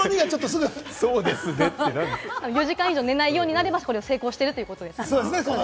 ４時間以上寝なくなれば、成功しているということです。